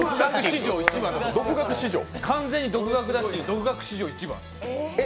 完全に独学だし、独学史上一番。